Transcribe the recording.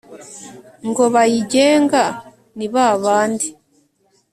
Ngo bayigenga ni ba bandi